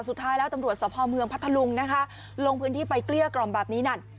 สุดท้ายแล้วตำรวจสภเมืองพัทธลุงนะคะลงพื้นที่ไปเกลี้ยกล่อมแบบนี้นั่น